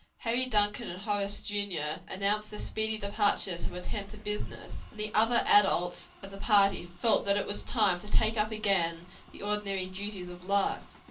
Harry Duncan and Horace Jr. announced their speedy departure to attend to business, and the other adults of the party felt that it was time to take up again the ordinary duties of life.